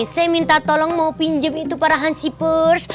saya minta tolong mau pinjam itu para hansipers